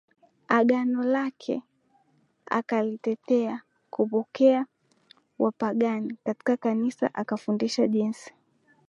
Agano la Kale Akatetea kupokea Wapagani katika Kanisa akafundisha jinsi